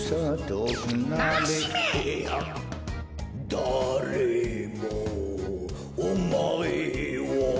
「だれもおまえを」